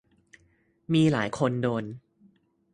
มีหลายคนโดน